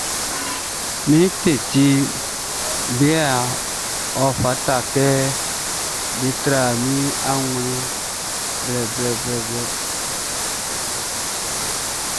Min teddy bearʼn, ɔ fata kɛ be tra min awlɛn blɛblɛblɛ.